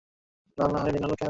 সে পরিবারের অংশ!